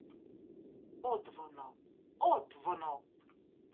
От воно — от воно!